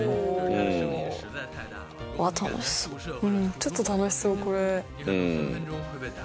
ちょっと楽しそうこれ。